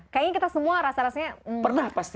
kayaknya kita semua rasa rasanya